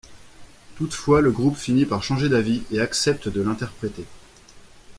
Toutefois, le groupe finit par changer d'avis et accepte de l'interpréter.